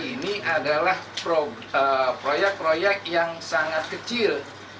ini adalah proyek proyek yang sangat kecil